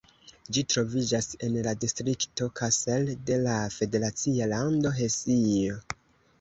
Ĝi troviĝas en la distrikto Kassel de la federacia lando Hesio.